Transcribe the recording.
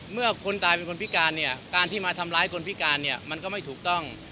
คนตายเป็นคนพิการเนี่ยการที่มาทำร้ายคนพิการเนี่ยมันก็ไม่ถูกต้อง